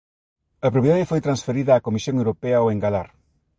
A propiedade foi transferida á Comisión Europea ó engalar.